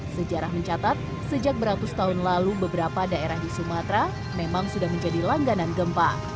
sejarah mencatat sejak beratus tahun lalu beberapa daerah di sumatera memang sudah menjadi langganan gempa